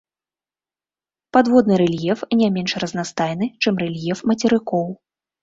Падводны рэльеф не менш разнастайны, чым рэльеф мацерыкоў.